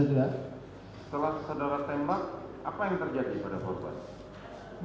setelah saudara tembak apa yang terjadi pada korban